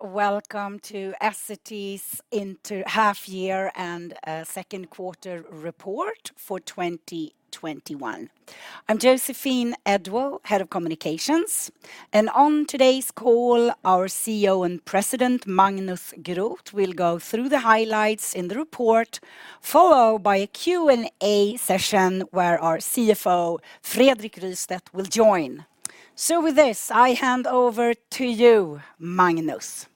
Welcome to Essity's inter half-year and second quarter report for 2021. I'm Joséphine Edwall, Head of Communications. On today's call, our CEO and President, Magnus Groth, will go through the highlights in the report, followed by a Q&A session where our CFO, Fredrik Rystedt, will join. With this, I hand over to you, Magnus.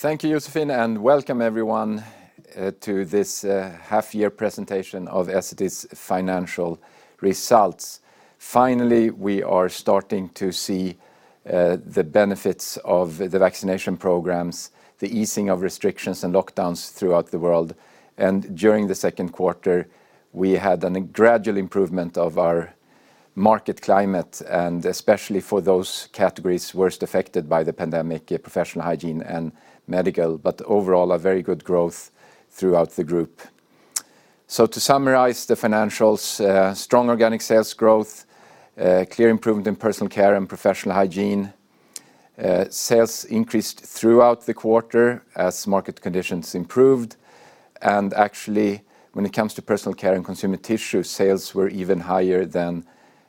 Thank you, Joséphine, welcome everyone to this half-year presentation of Essity's financial results. Finally, we are starting to see the benefits of the vaccination programs, the easing of restrictions and lockdowns throughout the world. During the second quarter, we had a gradual improvement of our market climate, especially for those categories worst affected by the pandemic, Professional Hygiene and Medical, overall, a very good growth throughout the Group. To summarize the financials, strong organic sales growth, clear improvement in Personal Care and Professional Hygiene. Sales increased throughout the quarter as market conditions improved. Actually, when it comes to Personal Care and Consumer Tissue, sales were even higher than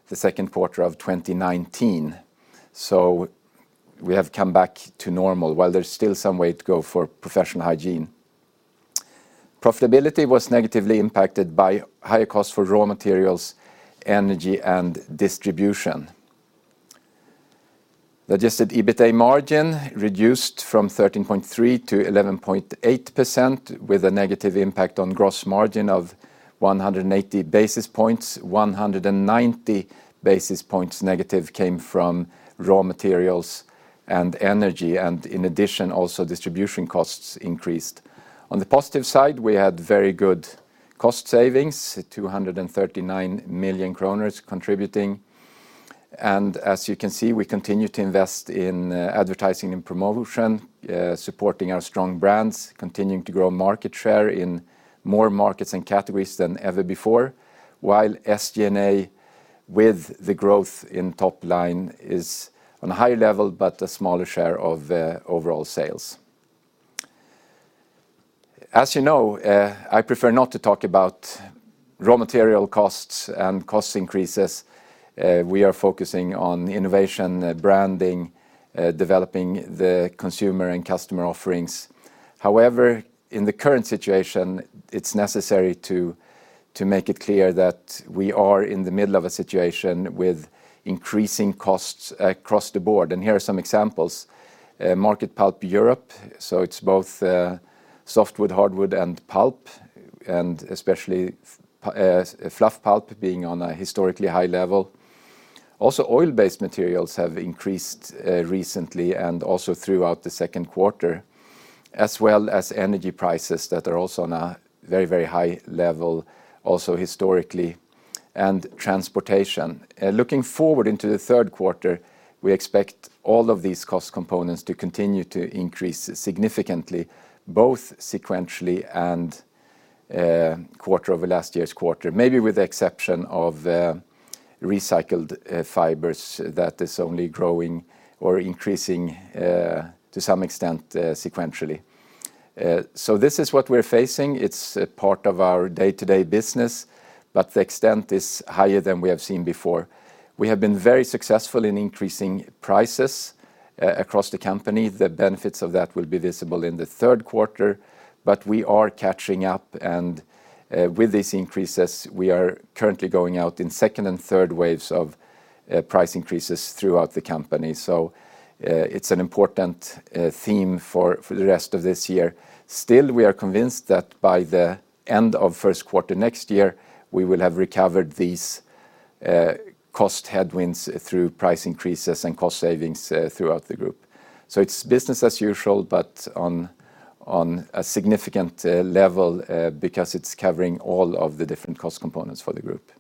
the second quarter of 2019. We have come back to normal while there's still some way to go for Professional Hygiene. Profitability was negatively impacted by higher costs for raw materials, energy, and distribution. Adjusted EBITA margin reduced from 13.3% to 11.8%, with a negative impact on gross margin of 180 basis points. -190 basis points came from raw materials and energy, in addition, also distribution costs increased. On the positive side, we had very good cost savings, 239 million kronor contributing. As you can see, we continue to invest in advertising and promotion, supporting our strong brands, continuing to grow market share in more markets and categories than ever before, while SG&A with the growth in top line is on a higher level, but a smaller share of overall sales. As you know, I prefer not to talk about raw material costs and cost increases. We are focusing on innovation, branding, developing the consumer and customer offerings. In the current situation, it's necessary to make it clear that we are in the middle of a situation with increasing costs across the board. Here are some examples. Market pulp Europe, so it's both softwood, hardwood, and pulp, and especially fluff pulp being on a historically high level. Oil-based materials have increased recently and also throughout the second quarter, as well as energy prices that are also on a very high level also historically, and transportation. Looking forward into the third quarter, we expect all of these cost components to continue to increase significantly, both sequentially and quarter over last year's quarter, maybe with the exception of recycled fibers that is only growing or increasing to some extent sequentially. This is what we're facing. It's part of our day-to-day business, but the extent is higher than we have seen before. We have been very successful in increasing prices across the company. The benefits of that will be visible in the third quarter, but we are catching up, and with these increases, we are currently going out in second and third waves of price increases throughout the company. It's an important theme for the rest of this year. Still, we are convinced that by the end of first quarter next year, we will have recovered these cost headwinds through price increases and cost savings throughout the group. It's business as usual, but on a significant level because it's covering all of the different cost components for the group.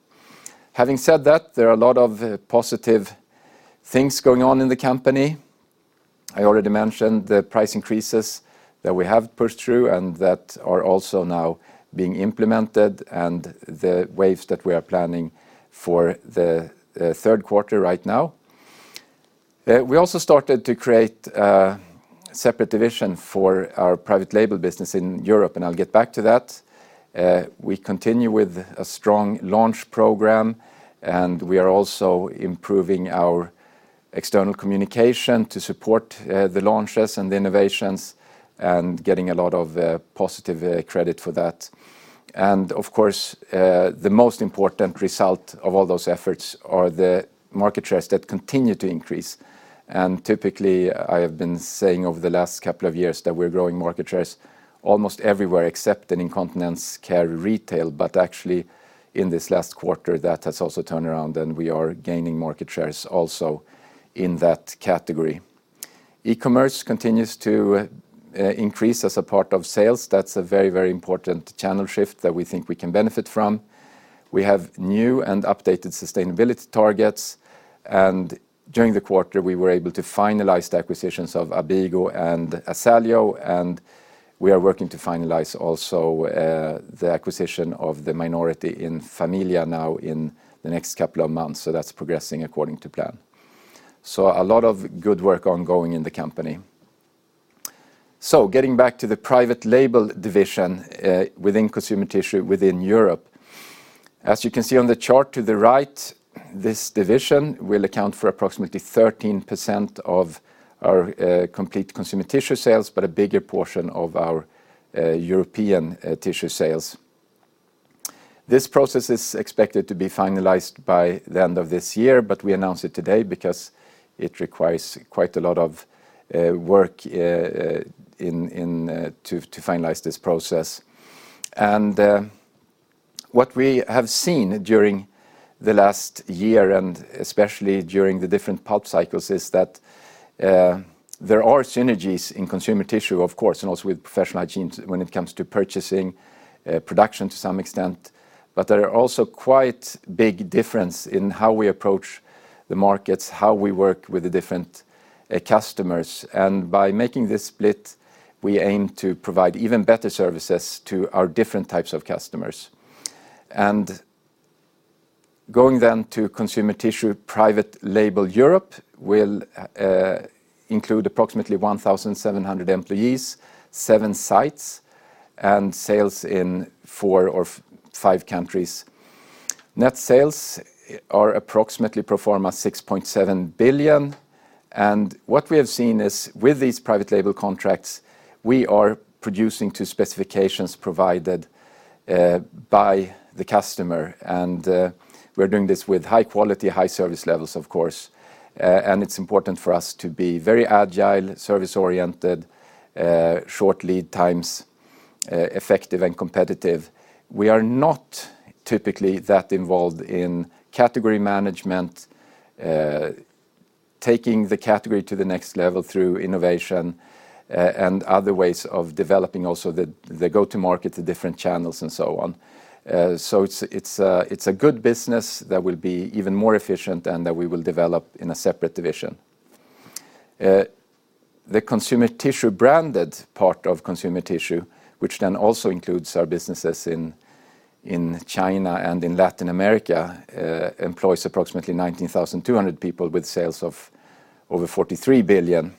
Having said that, there are a lot of positive things going on in the company. I already mentioned the price increases that we have pushed through and that are also now being implemented and the waves that we are planning for the third quarter right now. We also started to create a separate division for our private label business in Europe, and I'll get back to that. We continue with a strong launch program, and we are also improving our external communication to support the launches and the innovations and getting a lot of positive credit for that. Of course, the most important result of all those efforts are the market shares that continue to increase. Typically, I have been saying over the last couple of years that we're growing market shares almost everywhere except in incontinence care retail, but actually in this last quarter, that has also turned around, and we are gaining market shares also in that category. E-commerce continues to increase as a part of sales. That's a very important channel shift that we think we can benefit from. We have new and updated sustainability targets. During the quarter, we were able to finalize the acquisitions of ABIGO and Asaleo. We are working to finalize also the acquisition of the minority in Familia now in the next couple of months. That's progressing according to plan. A lot of good work ongoing in the company. Getting back to the Private Label division within Consumer Tissue within Europe. As you can see on the chart to the right, this division will account for approximately 13% of our complete Consumer Tissue sales, but a bigger portion of our European tissue sales. This process is expected to be finalized by the end of this year. We announce it today because it requires quite a lot of work to finalize this process. What we have seen during the last year, and especially during the different pulp cycles, is that there are synergies in Consumer Tissue, of course, and also with Professional Hygiene when it comes to purchasing production to some extent, but there are also quite big difference in how we approach the markets, how we work with the different customers. By making this split, we aim to provide even better services to our different types of customers. Going to Consumer Tissue Private Label Europe will include approximately 1,700 employees, seven sites, and sales in four or five countries. Net sales are approximately pro forma 6.7 billion. What we have seen is with these private label contracts, we are producing to specifications provided by the customer. We're doing this with high quality, high service levels, of course, and it's important for us to be very agile, service-oriented, short lead times, effective, and competitive. We are not typically that involved in category management, taking the category to the next level through innovation, and other ways of developing also the go-to-market, the different channels, and so on. It's a good business that will be even more efficient and that we will develop in a separate division. The Consumer Tissue branded part of Consumer Tissue, which then also includes our businesses in China and in Latin America, employs approximately 19,200 people with sales of over 43 billion.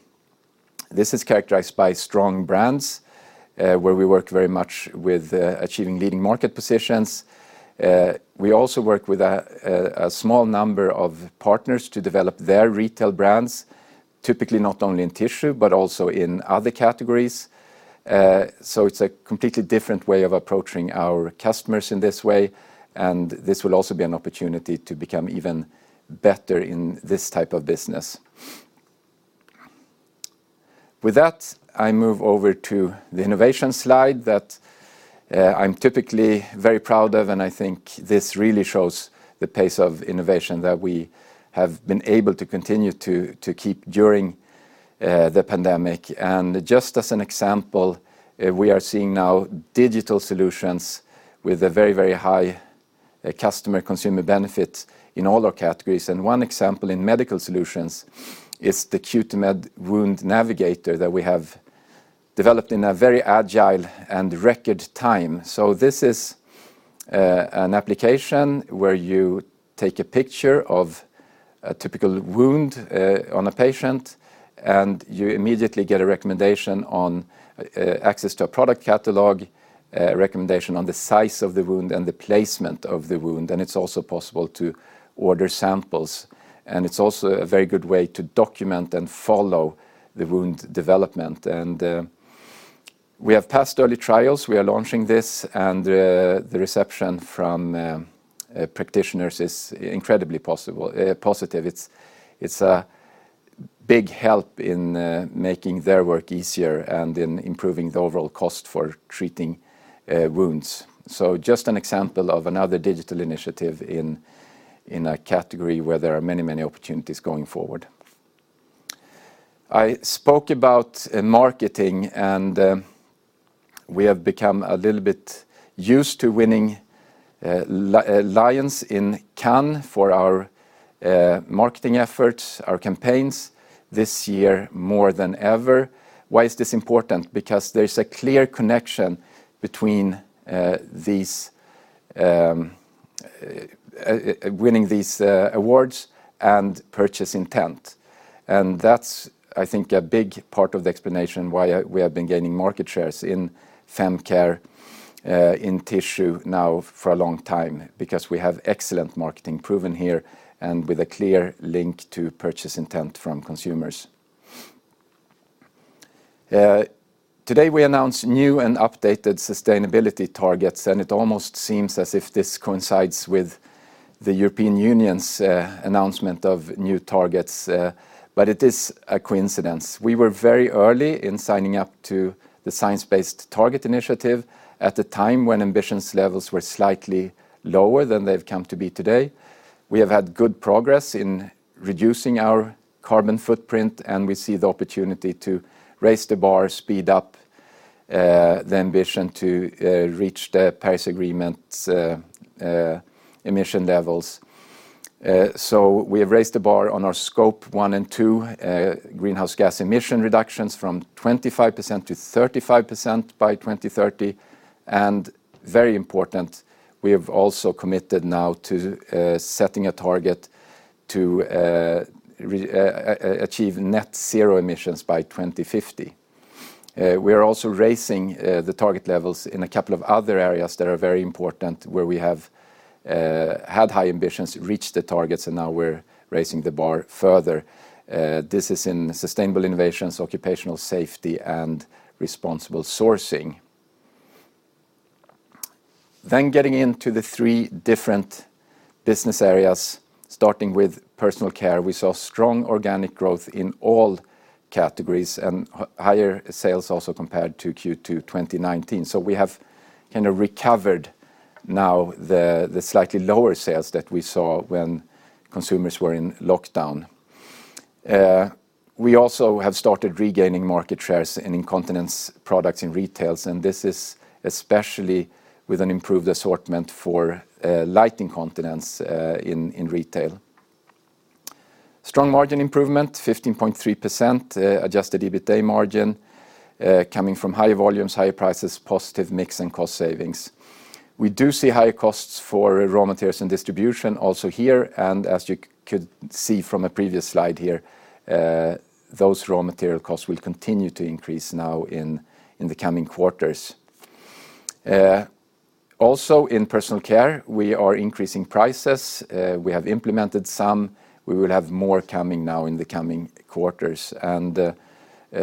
This is characterized by strong brands, where we work very much with achieving leading market positions. We also work with a small number of partners to develop their retail brands, typically not only in tissue but also in other categories. It's a completely different way of approaching our customers in this way, and this will also be an opportunity to become even better in this type of business. With that, I move over to the innovation slide that I'm typically very proud of, and I think this really shows the pace of innovation that we have been able to continue to keep during the pandemic. Just as an example, we are seeing now digital solutions with a very, very high customer consumer benefit in all our categories. One example in medical solutions is the Cutimed Wound Navigator that we have developed in a very agile and record time. This is an application where you take a picture of a typical wound on a patient, and you immediately get a recommendation on access to a product catalog, a recommendation on the size of the wound, and the placement of the wound, and it's also possible to order samples. It's also a very good way to document and follow the wound development. We have passed early trials. We are launching this, and the reception from practitioners is incredibly positive. It's a big help in making their work easier and in improving the overall cost for treating wounds. Just an example of another digital initiative in a category where there are many, many opportunities going forward. I spoke about marketing, and we have become a little bit used to winning Lions in Cannes for our marketing efforts, our campaigns, this year more than ever. Why is this important? There is a clear connection between winning these awards and purchase intent. That is, I think, a big part of the explanation why we have been gaining market shares in femcare in tissue now for a long time because we have excellent marketing proven here and with a clear link to purchase intent from consumers. Today we announced new and updated sustainability targets. It almost seems as if this coincides with the European Union's announcement of new targets. It is a coincidence. We were very early in signing up to the Science Based Targets initiative at the time when ambitions levels were slightly lower than they have come to be today. We have had good progress in reducing our carbon footprint, and we see the opportunity to raise the bar, speed up the ambition to reach the Paris Agreement's emission levels. We have raised the bar on our Scope 1 and 2 greenhouse gas emission reductions from 25% to 35% by 2030. Very important, we have also committed now to setting a target to achieve net zero emissions by 2050. We are also raising the target levels in a couple of other areas that are very important, where we have had high ambitions, reached the targets, and now we're raising the bar further. This is in sustainable innovations, occupational safety, and responsible sourcing. Getting into the three different business areas, starting with Personal Care. We saw strong organic growth in all categories and higher sales also compared to Q2 2019. We have recovered now the slightly lower sales that we saw when consumers were in lockdown. We also have started regaining market shares in incontinence products in retail, and this is especially with an improved assortment for light incontinence in retail. Strong margin improvement, 15.3% adjusted EBITA margin coming from higher volumes, higher prices, positive mix, and cost savings. We do see higher costs for raw materials and distribution also here. As you could see from a previous slide here, those raw material costs will continue to increase now in the coming quarters. Also in Personal Care, we are increasing prices. We have implemented some. We will have more coming now in the coming quarters.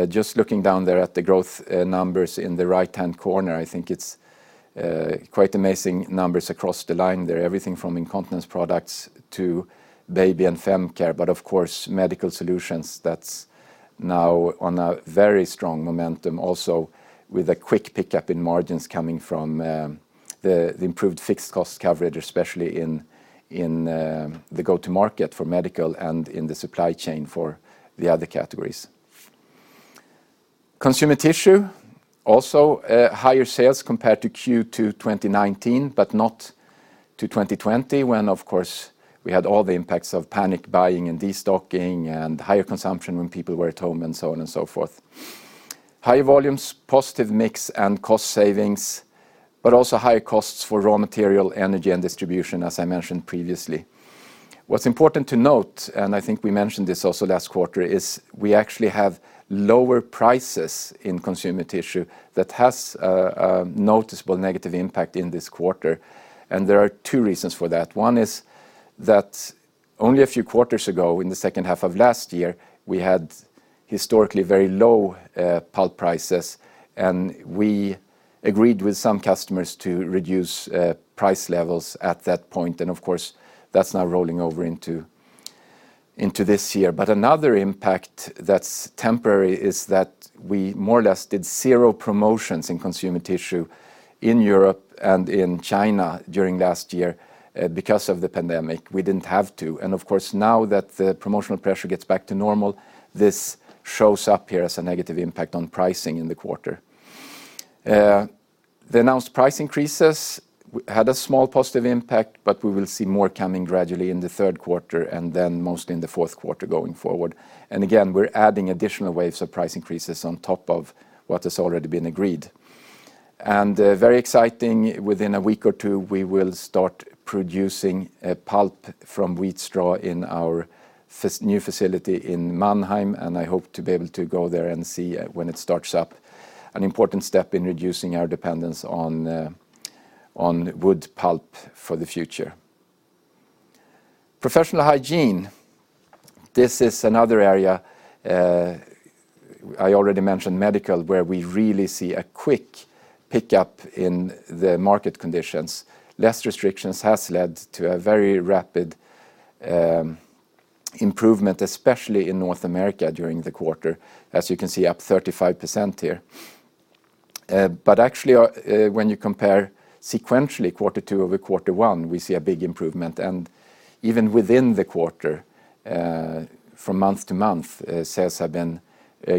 Just looking down there at the growth numbers in the right-hand corner, I think it's quite amazing numbers across the line there. Everything from incontinence products to baby and femcare, but of course, Medical Solutions that's now on a very strong momentum also with a quick pickup in margins coming from the improved fixed cost coverage, especially in the go-to-market for medical and in the supply chain for the other categories. Consumer Tissue, also higher sales compared to Q2 2019, but not to 2020, when, of course, we had all the impacts of panic buying and destocking and higher consumption when people were at home and so on and so forth. Higher volumes, positive mix, and cost savings, also higher costs for raw material, energy, and distribution, as I mentioned previously. What's important to note, and I think we mentioned this also last quarter, is we actually have lower prices in Consumer Tissue that has a noticeable negative impact in this quarter. There are two reasons for that. One is that only a few quarters ago, in the second half of last year, we had historically very low pulp prices, and we agreed with some customers to reduce price levels at that point. Of course, that's now rolling over into this year. Another impact that's temporary is that we more or less did zero promotions in Consumer Tissue in Europe and in China during last year because of the pandemic. We didn't have to. Of course now that the promotional pressure gets back to normal, this shows up here as a negative impact on pricing in the quarter. The announced price increases had a small positive impact, we will see more coming gradually in the third quarter and then mostly in the fourth quarter going forward. Again, we're adding additional waves of price increases on top of what has already been agreed. Very exciting, within a week or two, we will start producing pulp from wheat straw in our new facility in Mannheim, and I hope to be able to go there and see when it starts up. An important step in reducing our dependence on wood pulp for the future. Professional Hygiene. This is another area, I already mentioned medical, where we really see a quick pickup in the market conditions. Less restrictions has led to a very rapid improvement, especially in North America during the quarter. As you can see, up 35% here. Actually, when you compare sequentially Quarter two over Quarter one, we see a big improvement. Even within the quarter, from month-to-month, sales have been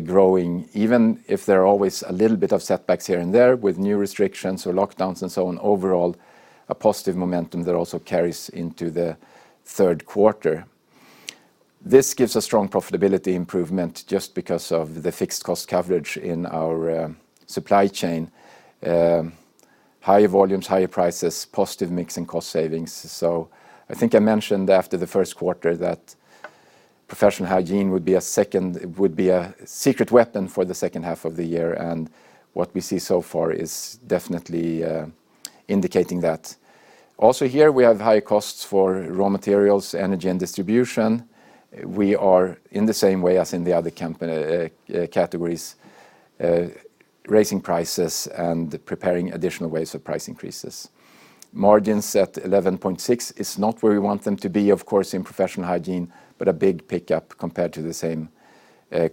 growing, even if there are always a little bit of setbacks here and there with new restrictions or lockdowns and so on, overall, a positive momentum that also carries into the third quarter. This gives a strong profitability improvement just because of the fixed cost coverage in our supply chain. Higher volumes, higher prices, positive mix, and cost savings. I think I mentioned after the first quarter that Professional Hygiene would be a secret weapon for the second half of the year. What we see so far is definitely indicating that. Also here we have high costs for raw materials, energy, and distribution. We are, in the same way as in the other categories, raising prices and preparing additional waves of price increases. Margins at 11.6% is not where we want them to be, of course, in Professional Hygiene, but a big pickup compared to the same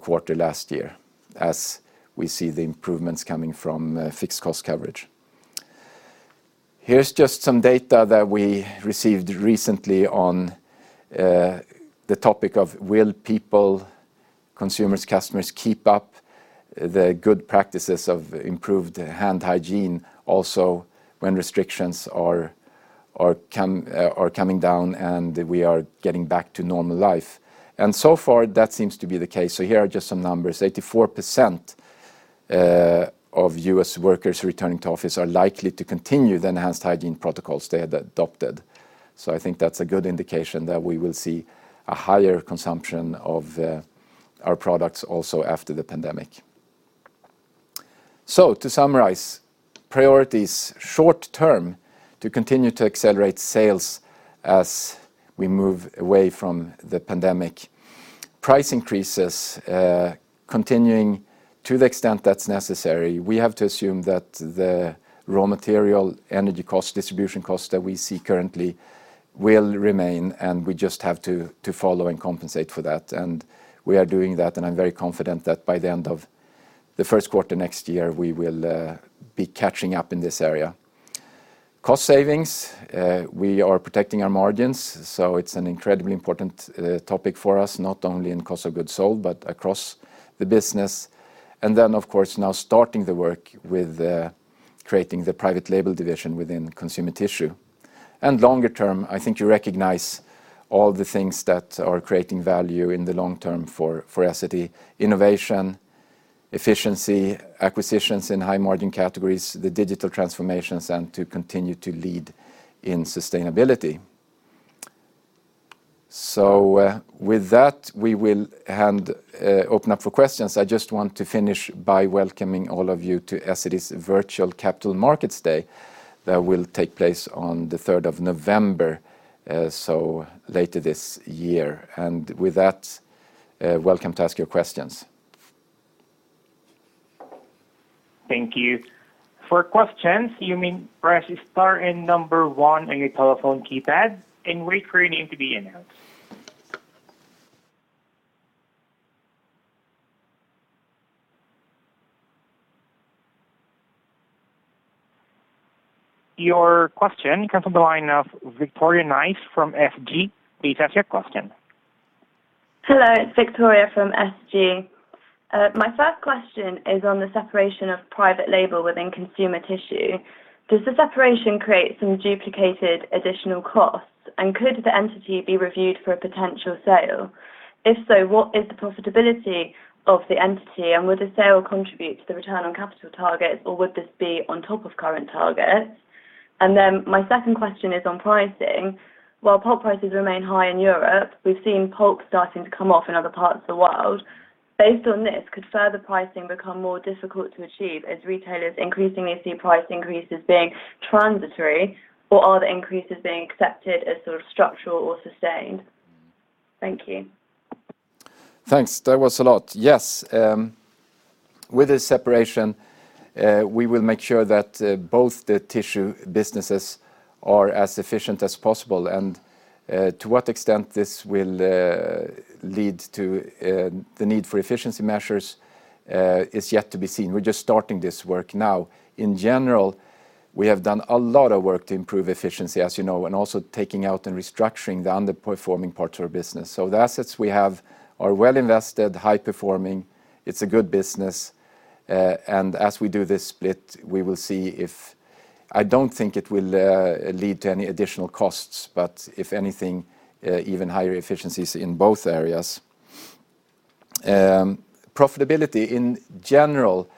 quarter last year as we see the improvements coming from fixed cost coverage. Here is just some data that we received recently on the topic of will people, consumers, customers keep up the good practices of improved hand hygiene also when restrictions are coming down, We are getting back to normal life. So far, that seems to be the case. Here are just some numbers. 84% of U.S. workers returning to office are likely to continue the enhanced hygiene protocols they had adopted. I think that is a good indication that we will see a higher consumption of our products also after the pandemic. To summarize, priorities short-term, to continue to accelerate sales as we move away from the pandemic. Price increases continuing to the extent that's necessary. We have to assume that the raw material, energy cost, distribution cost that we see currently will remain, and we just have to follow and compensate for that. We are doing that, and I'm very confident that by the end of the first quarter next year, we will be catching up in this area. Cost savings, we are protecting our margins, so it's an incredibly important topic for us, not only in cost of goods sold but across the business. Then, of course, now starting the work with creating the private label division within Consumer Tissue. Longer term, I think you recognize all the things that are creating value in the long term for Essity: innovation, efficiency, acquisitions in high-margin categories, the digital transformations, and to continue to lead in sustainability. With that, we will open up for questions. I just want to finish by welcoming all of you to Essity's virtual Capital Markets Day that will take place on the 3rd of November, so later this year. With that, welcome to ask your questions. Thank you. For questions, you may press star and number one on your telephone keypad and wait for your name to be announced. Your question comes from the line of Victoria Nice from SG. Please ask your question. Hello, it's Victoria from SG. My first question is on the separation of Private Label within Consumer Tissue. Does this operation create some duplicated additional costs? Could the entity be reviewed for a potential sale? If so, what is the profitability of the entity, and would the sale contribute to the return on capital targets, or would this be on top of current targets? My second question is on pricing. While pulp prices remain high in Europe, we've seen pulp starting to come off in other parts of the world. Based on this, could further pricing become more difficult to achieve as retailers increasingly see price increases being transitory, or are the increases being accepted as sort of structural or sustained? Thank you. Thanks. That was a lot. Yes. With the separation, we will make sure that both the tissue businesses are as efficient as possible, and to what extent this will lead to the need for efficiency measures is yet to be seen. We're just starting this work now. In general, we have done a lot of work to improve efficiency, as you know, and also taking out and restructuring the underperforming parts of our business. The assets we have are well invested, high-performing, it's a good business. As we do this split, we will see if I don't think it will lead to any additional costs, but if anything, even higher efficiencies in both areas. Profitability in general,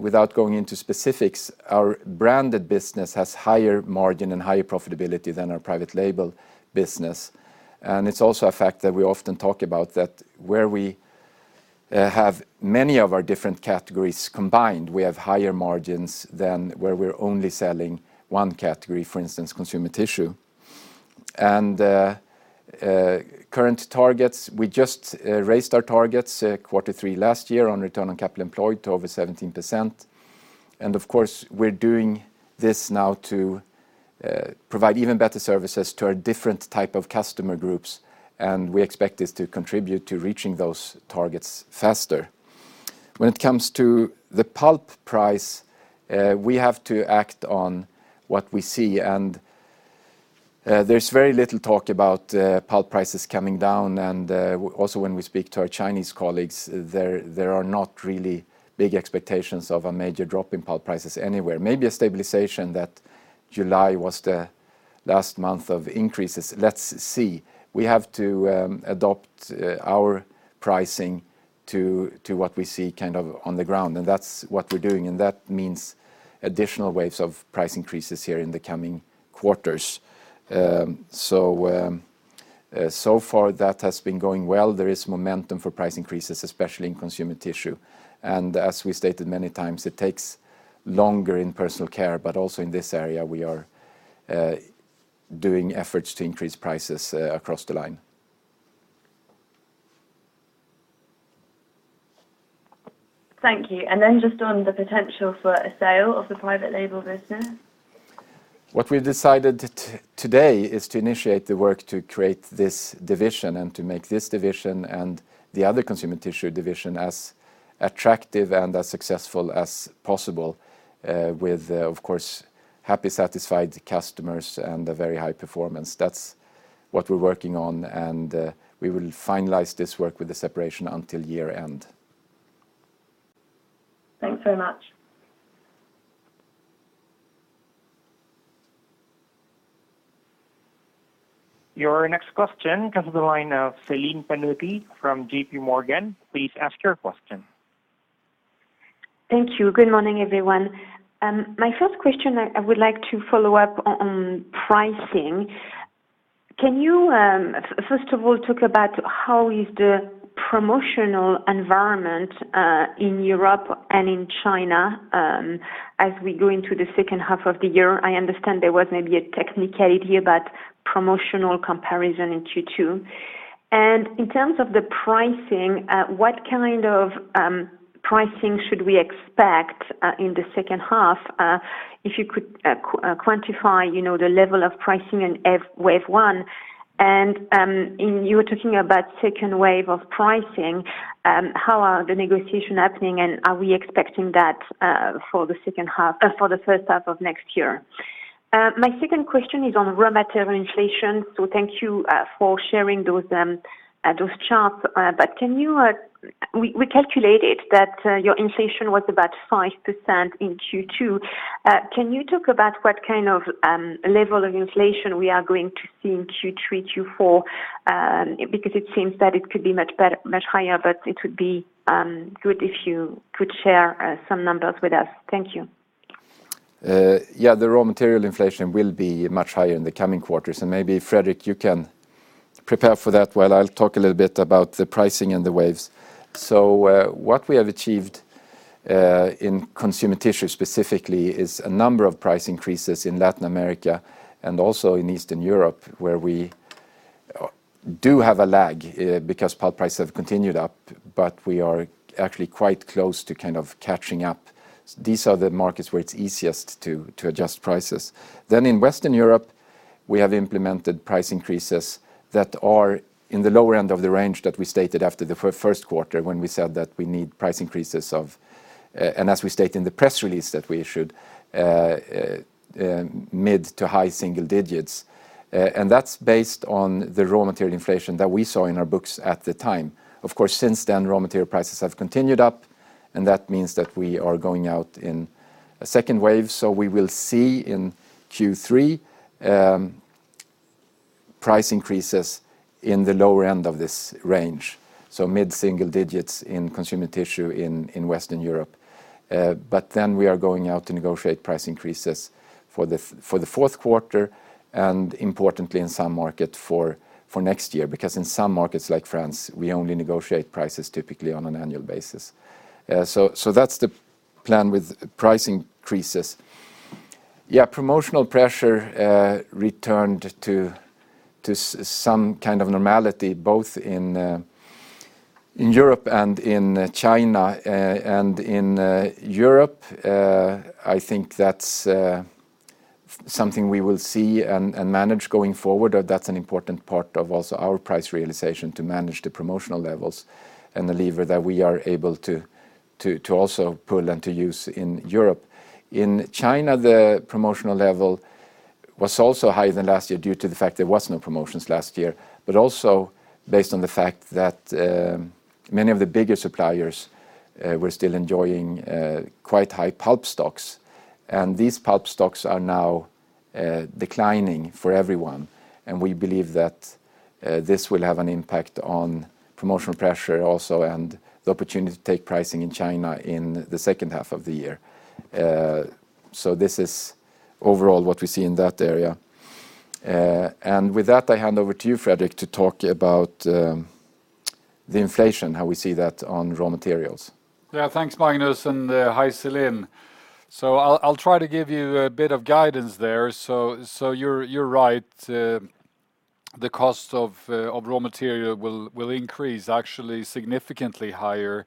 without going into specifics, our branded business has higher margin and higher profitability than our private label business. It's also a fact that we often talk about that where we have many of our different categories combined, we have higher margins than where we're only selling one category, for instance, Consumer Tissue. Current targets, we just raised our targets quarter three last year on return on capital employed to over 17%. Of course, we're doing this now to provide even better services to our different type of customer groups, and we expect this to contribute to reaching those targets faster. When it comes to the pulp price, we have to act on what we see. There's very little talk about pulp prices coming down, and also when we speak to our Chinese colleagues, there are not really big expectations of a major drop in pulp prices anywhere. Maybe a stabilization that July was the last month of increases. Let's see. We have to adopt our pricing to what we see on the ground, and that's what we're doing, and that means additional waves of price increases here in the coming quarters. That has been going well. There is momentum for price increases, especially in Consumer Tissue. As we stated many times, it takes longer in Personal Care, but also in this area, we are doing efforts to increase prices across the line. Thank you. Just on the potential for a sale of the private label business. What we've decided today is to initiate the work to create this division and to make this division and the other Consumer Tissue division as attractive and as successful as possible with, of course, happy, satisfied customers and a very high performance. That's what we're working on, and we will finalize this work with the separation until year-end. Thanks so much. Your next question comes to the line of Celine Pannuti from JPMorgan. Please ask your question. Thank you. Good morning, everyone. My first question, I would like to follow up on pricing. Can you, first of all, talk about how is the promotional environment in Europe and in China as we go into the second half of the year? I understand there was maybe a technicality about promotional comparison in Q2. In terms of the pricing, what kind of pricing should we expect in the second half? If you could quantify the level of pricing in wave 1. You were talking about second wave of pricing, how are the negotiations happening, and are we expecting that for the first half of next year? My second question is on raw material inflation. Thank you for sharing those charts. We calculated that your inflation was about 5% in Q2. Can you talk about what kind of level of inflation we are going to see in Q3, Q4? It seems that it could be much higher, but it would be good if you could share some numbers with us. Thank you. The raw material inflation will be much higher in the coming quarters. Maybe, Fredrik, you can prepare for that while I'll talk a little bit about the pricing and the waves. What we have achieved in Consumer Tissue specifically is a number of price increases in Latin America and also in Eastern Europe, where we do have a lag because pulp prices have continued up, but we are actually quite close to catching up. These are the markets where it's easiest to adjust prices. In Western Europe, we have implemented price increases that are in the lower end of the range that we stated after the first quarter when we said that we need price increases of, and as we state in the press release that we issued, mid to high single digits. That's based on the raw material inflation that we saw in our books at the time. Of course, since then, raw material prices have continued up, and that means that we are going out in a second wave. We will see in Q3 price increases in the lower end of this range. Mid-single digits in Consumer Tissue in Western Europe. Then we are going out to negotiate price increases for the fourth quarter and importantly in some market for next year. In some markets like France, we only negotiate prices typically on an annual basis. That's the plan with price increases. Promotional pressure returned to some kind of normality, both in Europe and in China. In Europe, I think that's something we will see and manage going forward. That's an important part of also our price realization, to manage the promotional levels and the lever that we are able to also pull into use in Europe. In China, the promotional level was also higher than last year due to the fact there was no promotions last year, but also based on the fact that many of the bigger suppliers were still enjoying quite high pulp stocks, and these pulp stocks are now declining for everyone. We believe that this will have an impact on promotional pressure also and the opportunity to take pricing in China in the second half of the year. This is overall what we see in that area. With that, I hand over to you, Fredrik, to talk about the inflation, how we see that on raw materials. Thanks, Magnus, and hi, Celine. I'll try to give you a bit of guidance there. You're right. The cost of raw material will increase actually significantly higher.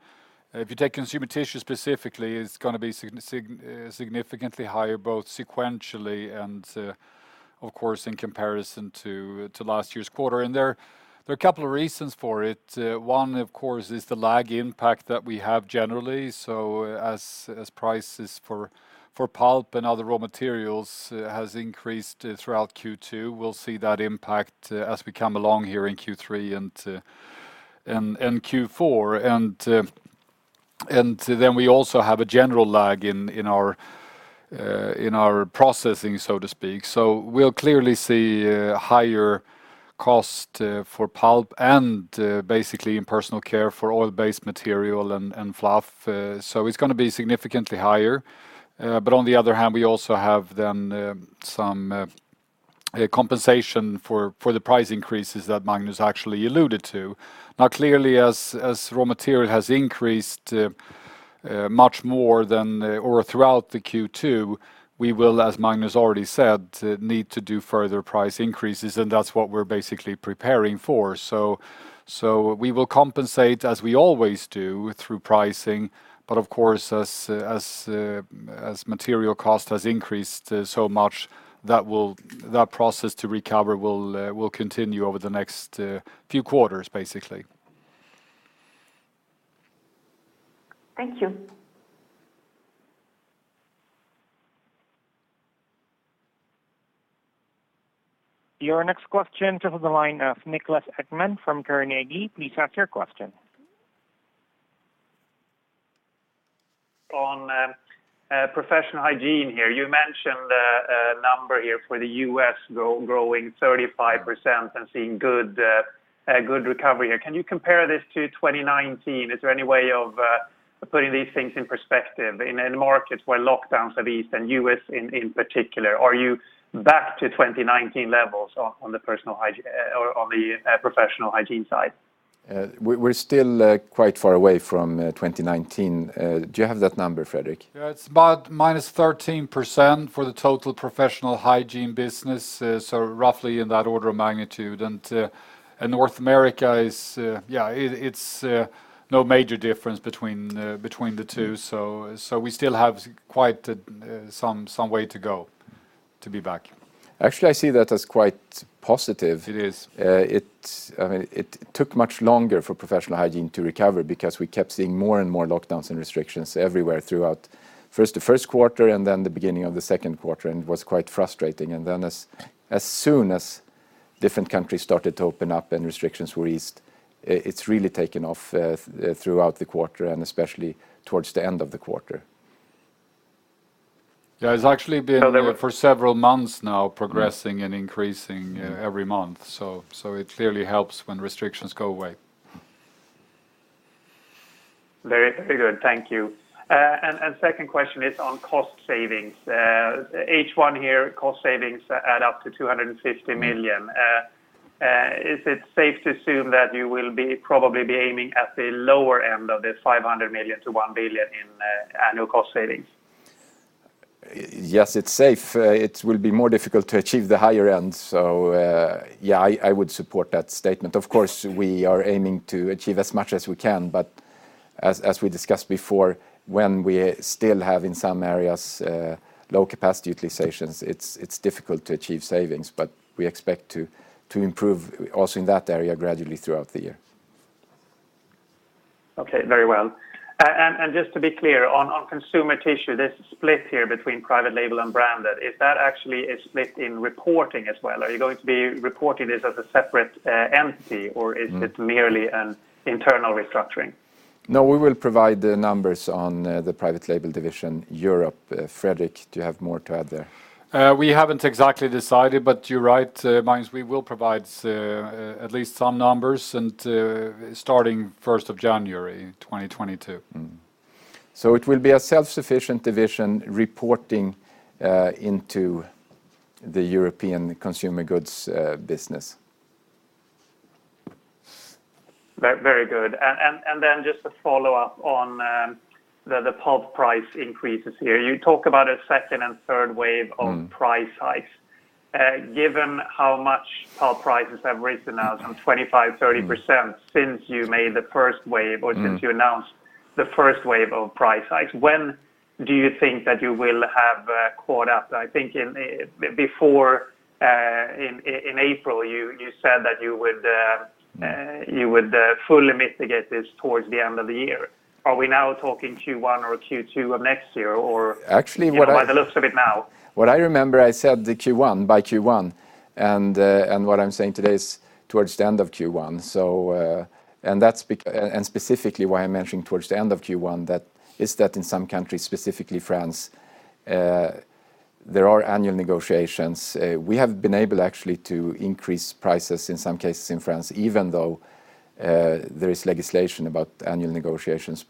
If you take Consumer Tissue specifically, it's going to be significantly higher, both sequentially and of course, in comparison to last year's quarter. There are a couple of reasons for it. One, of course, is the lag impact that we have generally. As prices for pulp and other raw materials has increased throughout Q2, we'll see that impact as we come along here in Q3 and Q4. We also have a general lag in our processing, so to speak. We'll clearly see higher cost for pulp and basically in Personal Care for oil-based material and fluff. It's going to be significantly higher. On the other hand, we also have then some compensation for the price increases that Magnus actually alluded to. Now, clearly, as raw material has increased much more than or throughout the Q2, we will, as Magnus already said, need to do further price increases, and that's what we're basically preparing for. We will compensate as we always do through pricing. Of course, as material cost has increased so much, that process to recover will continue over the next few quarters, basically. Thank you. Your next question comes on the line of Niklas Ekman from Carnegie. Please ask your question. On Professional Hygiene here, you mentioned a number here for the U.S. growing 35% and seeing good recovery here. Can you compare this to 2019? Is there any way of putting these things in perspective in markets where lockdowns have eased, and U.S. in particular? Are you back to 2019 levels on the Professional Hygiene side? We're still quite far away from 2019. Do you have that number, Fredrik? Yeah. It's about -13% for the total Professional Hygiene business, so roughly in that order of magnitude. North America, it's no major difference between the two. We still have quite some way to go to be back. Actually, I see that as quite positive. It is. It took much longer for Professional Hygiene to recover because we kept seeing more and more lockdowns and restrictions everywhere throughout first, the first quarter and then the beginning of the second quarter, and it was quite frustrating. As soon as different countries started to open up and restrictions were eased, it's really taken off throughout the quarter, and especially towards the end of the quarter. Yeah. It's actually been for several months now progressing and increasing every month. It clearly helps when restrictions go away. Very good. Thank you. Second question is on cost savings. H1 here, cost savings add up to 250 million. Is it safe to assume that you will probably be aiming at the lower end of the 500 million-1 billion in annual cost savings? Yes, it's safe. It will be more difficult to achieve the higher end. Yeah, I would support that statement. Of course, we are aiming to achieve as much as we can, but as we discussed before, when we still have, in some areas, low capacity utilizations, it's difficult to achieve savings, but we expect to improve also in that area gradually throughout the year. Okay. Very well. Just to be clear, on Consumer Tissue, this split here between private label and branded, is that actually a split in reporting as well? Are you going to be reporting this as a separate entity, or is it merely an internal restructuring? No, we will provide the numbers on the Private Label division, Europe. Fredrik, do you have more to add there? We haven't exactly decided, but you're right, Magnus, we will provide at least some numbers and starting 1st of January 2022. It will be a self-sufficient division reporting into the European consumer goods business. Very good. Then just to follow up on the pulp price increases here. You talk about a second and third wave of price hikes. Given how much pulp prices have risen now, some 25%-30%, since you made the first wave or since you announced the first wave of price hikes, when do you think that you will have caught up? I think before, in April, you said that you would fully mitigate this towards the end of the year. Are we now talking Q1 or Q2 of next year? Or- Actually, what I- By the looks of it now. What I remember, I said by Q1, and what I'm saying today is towards the end of Q1. Specifically, why I'm mentioning towards the end of Q1, is that in some countries, specifically France, there are annual negotiations. We have been able, actually, to increase prices in some cases in France, even though there is legislation about annual negotiations.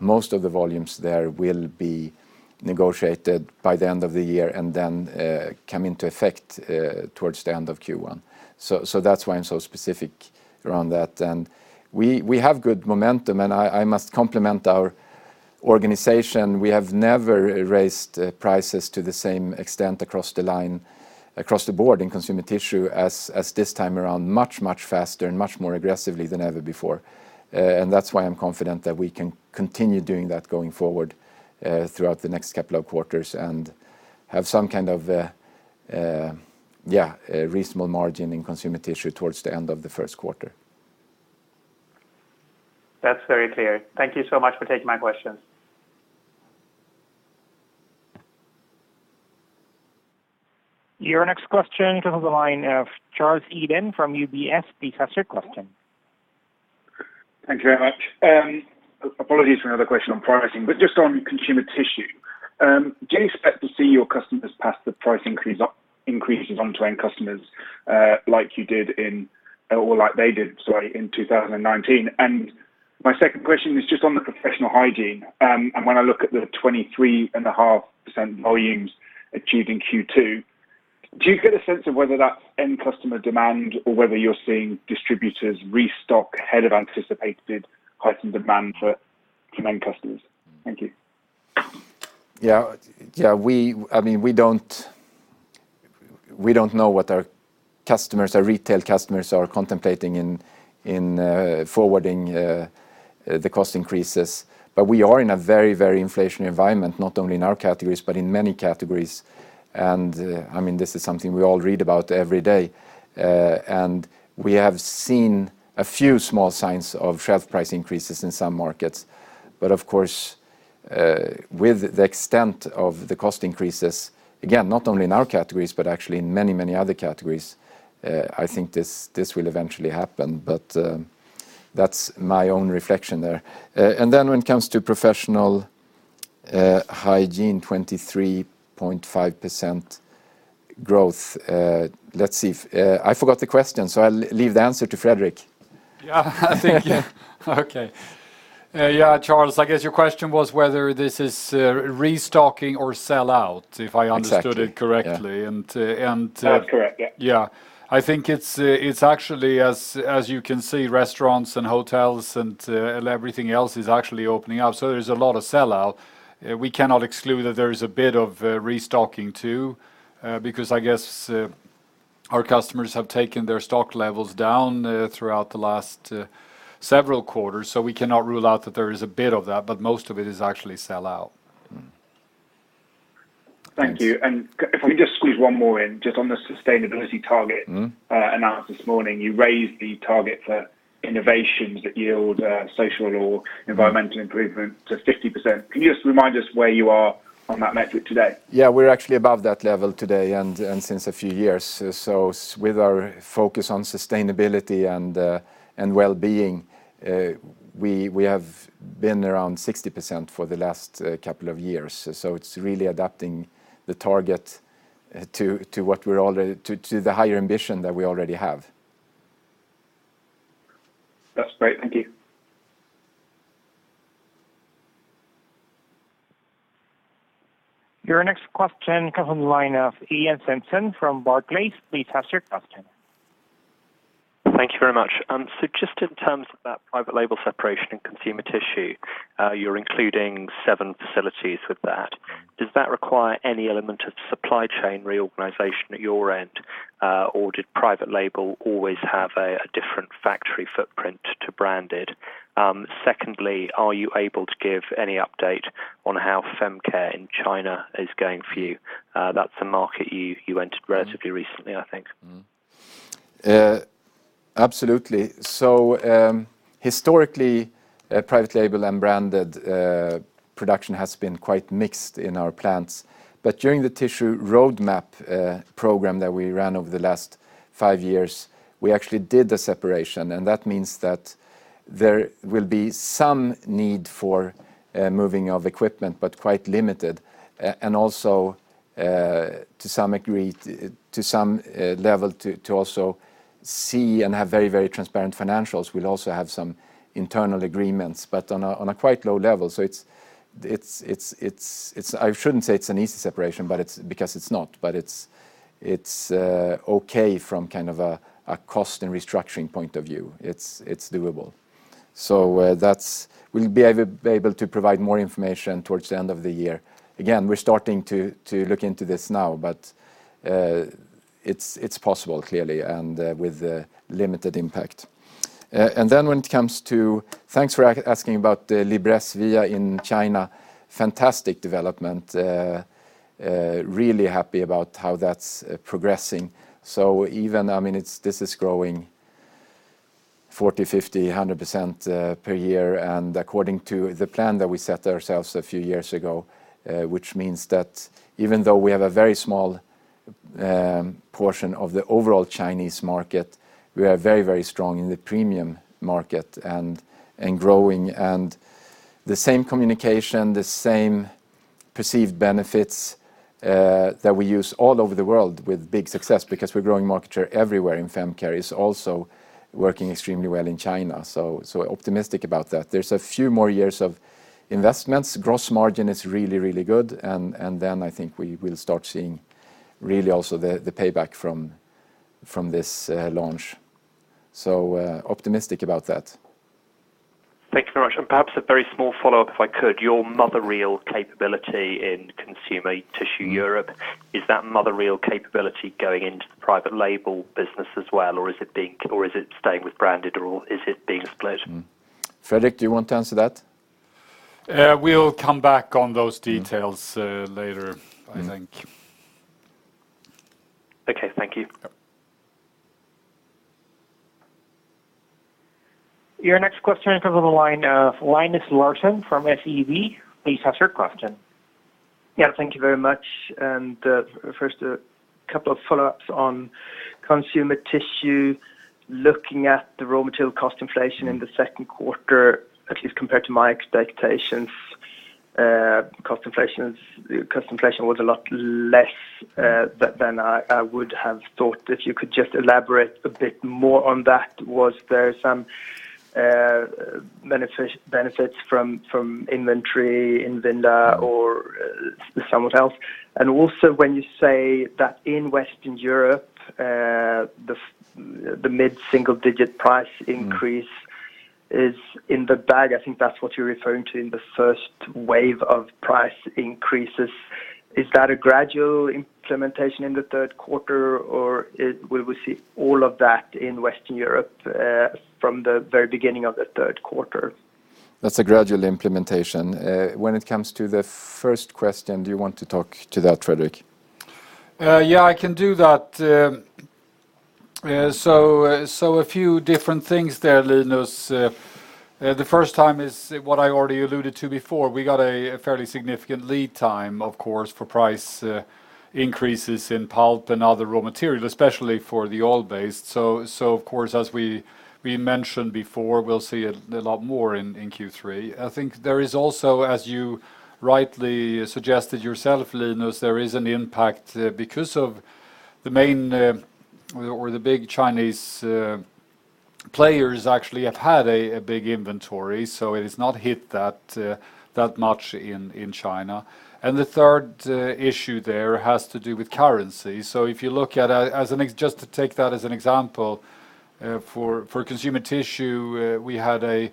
Most of the volumes there will be negotiated by the end of the year and then come into effect towards the end of Q1. That's why I'm so specific around that. We have good momentum, and I must compliment our organization. We have never raised prices to the same extent across the board in Consumer Tissue as this time around, much, much faster and much more aggressively than ever before. That's why I'm confident that we can continue doing that going forward, throughout the next couple of quarters and have some kind of reasonable margin in Consumer Tissue towards the end of the first quarter. That's very clear. Thank you so much for taking my questions. Your next question comes on the line of Charles Eden from UBS. Please ask your question. Thank you very much. Apologies for another question on pricing, just on Consumer Tissue. Do you expect to see your customers pass the price increases onto end customers, like you did in, or like they did, sorry, in 2019? My second question is just on the Professional Hygiene. When I look at the 23.5% volumes achieved in Q2, do you get a sense of whether that's end customer demand or whether you're seeing distributors restock ahead of anticipated heightened demand for main customers? Thank you. Yeah. We don't know what our retail customers are contemplating in forwarding the cost increases. We are in a very, very inflationary environment, not only in our categories but in many categories. This is something we all read about every day. We have seen a few small signs of shelf price increases in some markets. Of course, with the extent of the cost increases, again, not only in our categories, but actually in many other categories, I think this will eventually happen. That's my own reflection there. When it comes to Professional Hygiene, 23.5% growth. Let's see. I forgot the question, I'll leave the answer to Fredrik. Yeah. Okay. Yeah, Charles, I guess your question was whether this is restocking or sellout, if I understood it correctly. Yeah. I think it's actually, as you can see, restaurants and hotels and everything else is actually opening up. There's a lot of sellout. We cannot exclude that there is a bit of restocking too, because I guess our customers have taken their stock levels down throughout the last several quarters. We cannot rule out that there is a bit of that, but most of it is actually sellout. Thank you. If we just squeeze one more in, just on the sustainability target announced this morning. You raised the target for innovations that yield social or environmental improvement to 50%. Can you just remind us where you are on that metric today? Yeah, we're actually above that level today, and since a few years. With our focus on sustainability and well-being, we have been around 60% for the last couple of years. It's really adapting the target to the higher ambition that we already have. That's great. Thank you. Your next question comes from the line of Iain Simpson from Barclays. Please ask your question. Thank you very much. Just in terms of that private label separation in Consumer Tissue, you're including seven facilities with that. Does that require any element of supply chain reorganization at your end, or did private label always have a different factory footprint to branded? Secondly, are you able to give any update on how femcare in China is going for you? That's a market you entered relatively recently, I think. Absolutely. Historically, private label and branded production has been quite mixed in our plants. During the Tissue Roadmap program that we ran over the last five years, we actually did a separation. That means that there will be some need for moving of equipment, but quite limited. Also, to some level, to also see and have very, very transparent financials. We'll also have some internal agreements, but on a quite low level. I shouldn't say it's an easy separation, because it's not. It's okay from a cost and restructuring point of view. It's doable. We'll be able to provide more information towards the end of the year. Again, we're starting to look into this now, but it's possible, clearly, and with limited impact. Thanks for asking about Libresse in China. Fantastic development. Really happy about how that's progressing. This is growing 40%, 50%, 100% per year, according to the plan that we set ourselves a few years ago. Which means that even though we have a very small portion of the overall Chinese market, we are very, very strong in the premium market and growing. The same communication, the same perceived benefits that we use all over the world with big success because we're growing market share everywhere in femcare, is also working extremely well in China. Optimistic about that. There's a few more years of investments. Gross margin is really, really good. Then I think we will start seeing really also the payback from this launch. Optimistic about that. Thank you very much. Perhaps a very small follow-up, if I could. Your mother reel capability in Consumer Tissue Europe, is that mother reel capability going into the private label business as well, or is it staying with branded, or is it being split? Fredrik, do you want to answer that? We'll come back on those details later, I think. Okay. Thank you. Your next question comes on the line of Linus Larsson from SEB. Please ask your question. Yeah, thank you very much. First, a couple of follow-ups on Consumer Tissue. Looking at the raw material cost inflation in the second quarter, at least compared to my expectations, cost inflation was a lot less than I would have thought. If you could just elaborate a bit more on that. Was there some benefits from inventory in Vinda or somewhere else? Also, when you say that in Western Europe, the mid-single-digit price increases in the bag, I think that's what you're referring to in the first wave of price increases. Is that a gradual implementation in the third quarter, or will we see all of that in Western Europe from the very beginning of the third quarter? That's a gradual implementation. When it comes to the first question, do you want to talk to that, Fredrik? Yeah, I can do that. A few different things there, Linus. The first time is what I already alluded to before. We got a fairly significant lead time, of course, for price increases in pulp and other raw materials, especially for the oil-based. Of course, as we mentioned before, we'll see a lot more in Q3. I think there is also, as you rightly suggested yourself, Linus, there is an impact because of the main or the big Chinese players actually have had a big inventory, so it has not hit that much in China. The third issue there has to do with currency. If you look at, just to take that as an example, for Consumer Tissue, we had a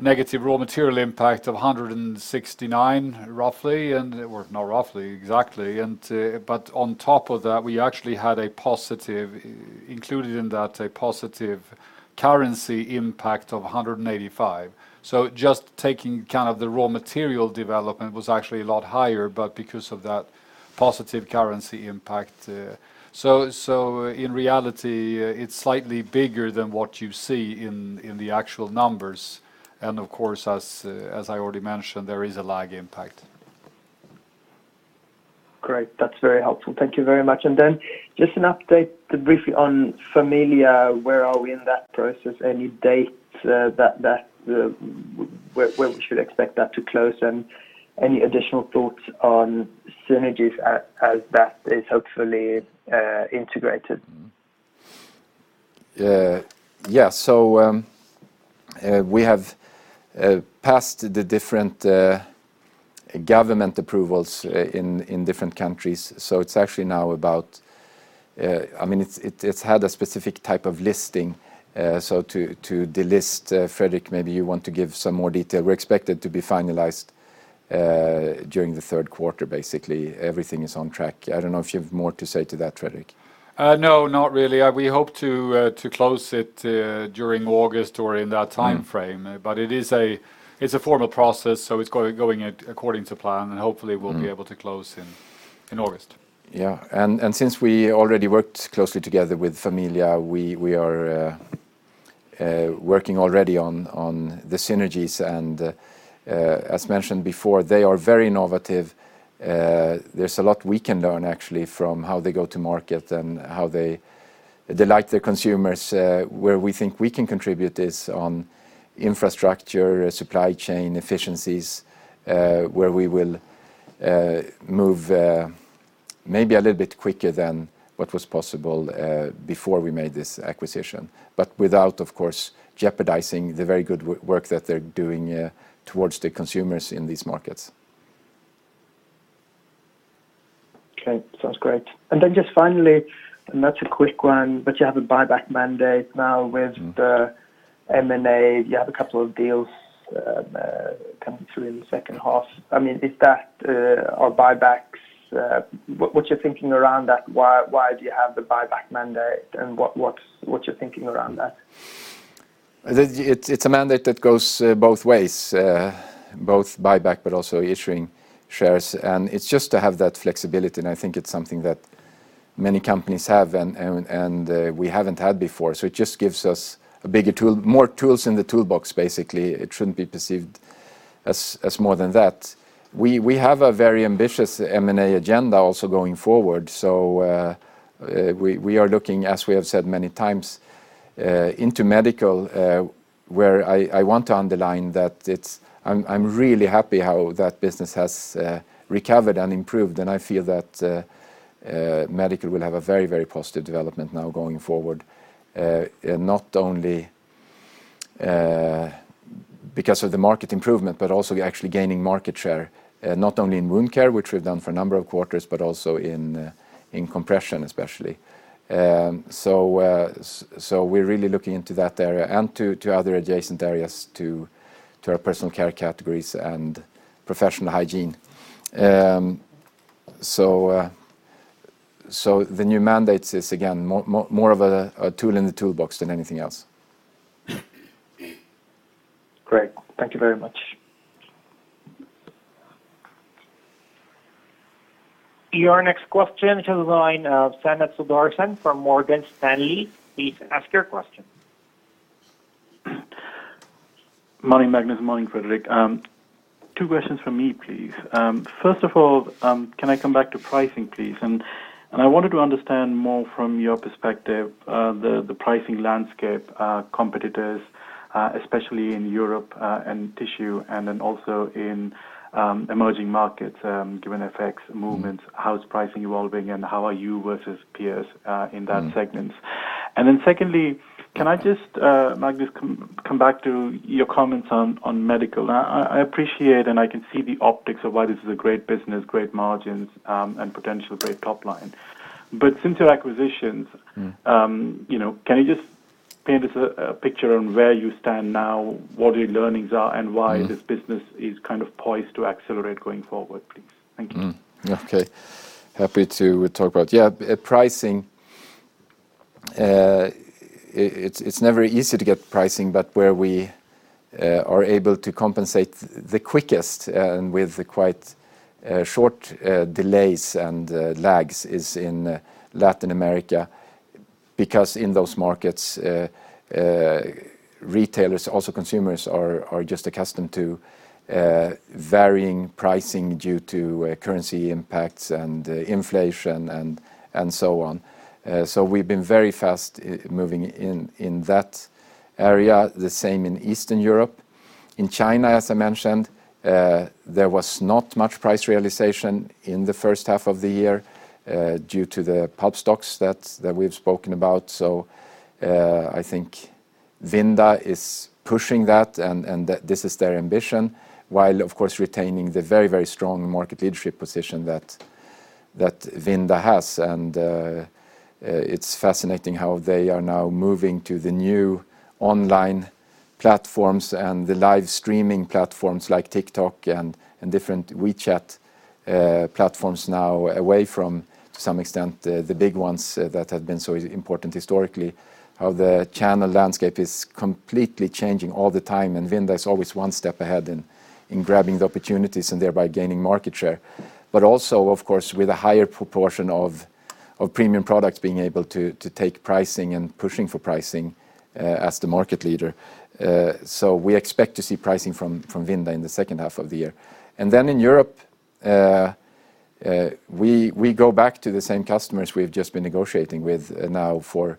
negative raw material impact of 169 roughly, and it worked, not roughly, exactly. On top of that, we actually had included in that a positive currency impact of 185. Just taking kind of the raw material development was actually a lot higher, but because of that positive currency impact. In reality, it's slightly bigger than what you see in the actual numbers. Of course, as I already mentioned, there is a lag impact. Great. That's very helpful. Thank you very much. Then just an update briefly on Familia. Where are we in that process? Any dates where we should expect that to close and any additional thoughts on synergies as that is hopefully integrated? Yeah. We have passed the different government approvals in different countries. It's actually now about It's had a specific type of listing. To delist, Fredrik, maybe you want to give some more detail. We're expected to be finalized during the third quarter, basically. Everything is on track. I don't know if you have more to say to that, Fredrik. No, not really. We hope to close it during August or in that time frame. It's a formal process, so it's going according to plan, and hopefully we'll be able to close in August. Yeah. Since we already worked closely together with Familia, we are working already on the synergies, and as mentioned before, they are very innovative. There's a lot we can learn actually from how they go to market and how they delight their consumers. Where we think we can contribute is on infrastructure, supply chain efficiencies, where we will move maybe a little bit quicker than what was possible before we made this acquisition. Without, of course, jeopardizing the very good work that they're doing towards the consumers in these markets. Okay. Sounds great. Then just finally, and that's a quick one, but you have a buyback mandate now with the M&A. You have a couple of deals coming through in the second half. Is that our buybacks? What's your thinking around that? Why do you have the buyback mandate, and what's your thinking around that? It's a mandate that goes both ways, both buyback but also issuing shares. It's just to have that flexibility, and I think it's something that many companies have, and we haven't had before. It just gives us more tools in the toolbox, basically. It shouldn't be perceived as more than that. We have a very ambitious M&A agenda also going forward. We are looking, as we have said many times, into medical, where I want to underline that I'm really happy how that business has recovered and improved, and I feel that medical will have a very, very positive development now going forward, not only because of the market improvement, but also actually gaining market share, not only in wound care, which we've done for a number of quarters, but also in compression, especially. We're really looking into that area and to other adjacent areas to our Personal Care categories and Professional Hygiene. The new mandate is, again, more of a tool in the toolbox than anything else. Great. Thank you very much. Your next question comes online, Sanath Sudarsan from Morgan Stanley. Please ask your question. Morning, Magnus. Morning, Fredrik. Two questions from me, please. First of all, can I come back to pricing, please? I wanted to understand more from your perspective, the pricing landscape, competitors, especially in Europe, and tissue, and then also in emerging markets given FX movements, how is pricing evolving and how are you versus peers in that segment? Secondly, can I just, Magnus, come back to your comments on medical? I appreciate and I can see the optics of why this is a great business, great margins, and potential great top line. Since your acquisitions, can you just paint us a picture on where you stand now, what your learnings are, and why this business is poised to accelerate going forward, please? Thank you. Happy to talk about it. Pricing, it's never easy to get pricing, but where we are able to compensate the quickest, and with quite short delays and lags, is in Latin America because in those markets, retailers, also consumers, are just accustomed to varying pricing due to currency impacts, and inflation, and so on. We've been very fast moving in that area. The same in Eastern Europe. In China, as I mentioned, there was not much price realization in the first half of the year due to the pulp stocks that we've spoken about. I think Vinda is pushing that, and this is their ambition, while of course retaining the very, very strong market leadership position that Vinda has. It's fascinating how they are now moving to the new online platforms and the live streaming platforms like TikTok and different WeChat platforms now, away from, to some extent, the big ones that have been so important historically, how the channel landscape is completely changing all the time. Vinda is always one step ahead in grabbing the opportunities and thereby gaining market share. Also, of course, with a higher proportion of premium products being able to take pricing and pushing for pricing as the market leader. We expect to see pricing from Vinda in the second half of the year. Then in Europe, we go back to the same customers we've just been negotiating with now for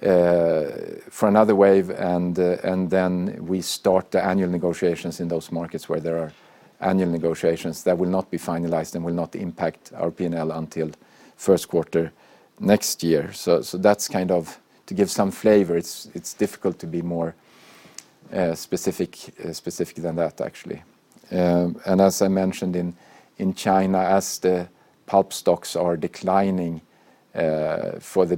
another wave, and then we start the annual negotiations in those markets where there are annual negotiations that will not be finalized and will not impact our P&L until first quarter next year. That's to give some flavor, it's difficult to be more specific than that actually. As I mentioned in China, as the pulp stocks are declining for the